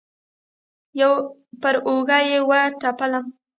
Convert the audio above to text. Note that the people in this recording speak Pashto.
پر اوږه يې وټپولم.